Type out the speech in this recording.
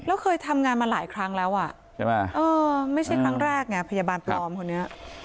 เราเคยทำงานมาหลายครั้งแล้วอ่ะไม่ใช่ครั้งแรกไงพยาบาลปลอมคนนี้